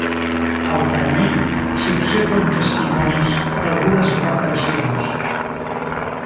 Al parament s'observen testimonis d'algunes reparacions.